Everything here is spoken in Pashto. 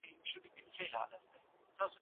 استاد شاګرد ته په مشوره ورکولو بوخت دی.